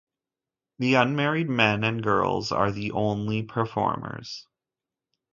The unmarried men and girls are the only performers.